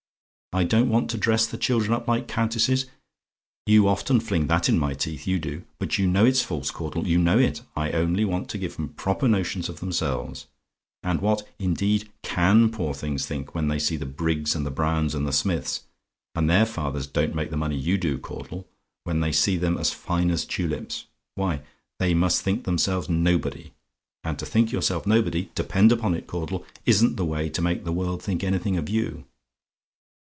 "I DON'T WANT TO DRESS THE CHILDREN UP LIKE COUNTESSES? "You often fling that in my teeth, you do: but you know it's false, Caudle; you know it. I only want to give 'em proper notions of themselves: and what, indeed, CAN the poor things think when they see the Briggs's, and the Browns, and the Smiths and their fathers don't make the money you do, Caudle when they see them as fine as tulips? Why, they must think themselves nobody; and to think yourself nobody depend upon it, Caudle, isn't the way to make the world think anything of you.